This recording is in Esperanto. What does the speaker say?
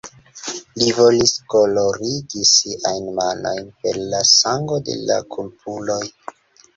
Li volis kolorigi siajn manojn per la sango de la kulpuloj.